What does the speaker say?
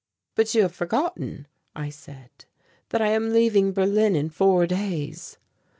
"But you have forgotten," I said, "that I am leaving Berlin in four days."